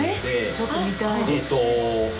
ちょっと見たいです。